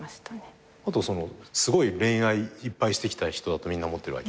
あと恋愛いっぱいしてきた人だとみんな思ってるわけ。